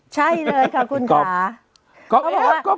ใช่เลยค่ะคุณค่ะ